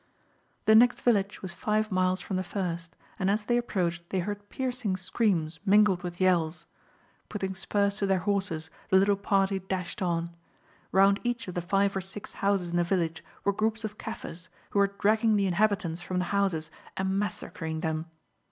The next village was five miles from the first, and as they approached they heard piercing screams mingled with yells. Putting spurs to their horses the little party dashed on. Round each of the five or six houses in the village were groups of Kaffirs, who were dragging the inhabitants from the houses and massacring them.